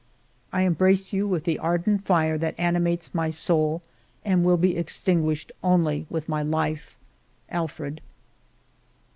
" I embrace you with the ardent fire that ani mates my soul and will be extinguished only with my life. Alfred.'